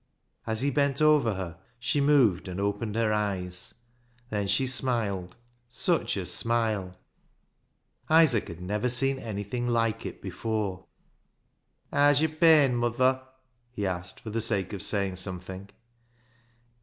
As he bent over her she moved and opened her eyes. Then she smiled. Such a smile ! Isaac had never seen anything like it before. " Haa's yo'r pain, muther?" he asked, for the sake of saying something.